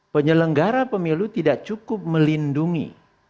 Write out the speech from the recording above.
penyelenggara pemilu tidak cukup melindungi